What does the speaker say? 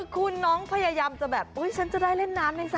คุณน้องพยายามจะแบบอุ๊ยฉันจะได้เล่นน้ำในซะ